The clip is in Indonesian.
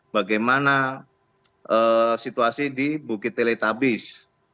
bagaimana situasi di bukit teletabis